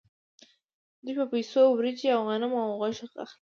دوی په پیسو وریجې او غنم او غوښه اخلي